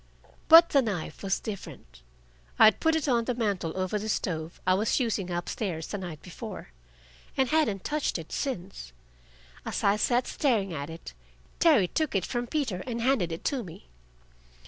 But the knife was different. I had put it on the mantel over the stove I was using up stairs the night before, and hadn't touched it since. As I sat staring at it, Terry took it from Peter and handed it to me.